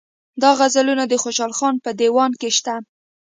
دا غزلونه د خوشحال خان په دېوان کې شته.